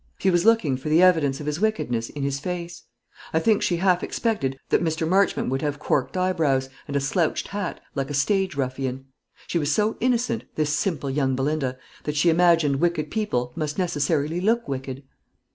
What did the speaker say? She was looking for the evidence of his wickedness in his face. I think she half expected that Mr. Marchmont would have corked eyebrows, and a slouched hat, like a stage ruffian. She was so innocent, this simple young Belinda, that she imagined wicked people must necessarily look wicked.